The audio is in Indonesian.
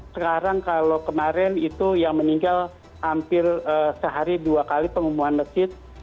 sekarang kalau kemarin itu yang meninggal hampir sehari dua kali pengumuman masjid